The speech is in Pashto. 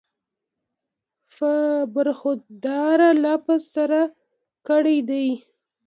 پۀ برخوردار لفظ سره کړی دی